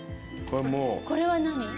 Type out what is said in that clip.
これは何？